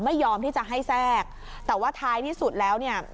ไม่ยอมที่จะให้แทรกแต่ว่าท้ายที่สุดแล้วเนี่ย